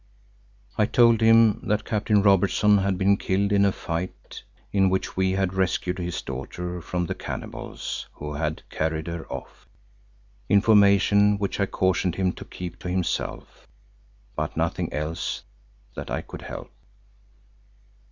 I told him that Captain Robertson had been killed in a fight in which we had rescued his daughter from the cannibals who had carried her off (information which I cautioned him to keep to himself) but nothing else that I could help.